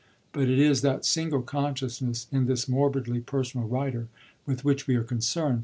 But it is that single consciousness in this morbidly personal writer with which we are concerned.